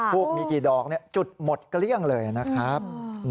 ทูบมีกี่ดอกจุดหมดเกลี้ยงเลยนะครับ